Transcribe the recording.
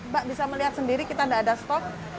mbak bisa melihat sendiri kita tidak ada stok